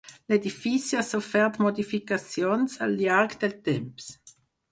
L'edifici ha sofert modificacions al llarg del temps.